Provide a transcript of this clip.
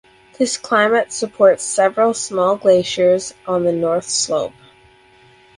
This climate supports several small glaciers on the north slope.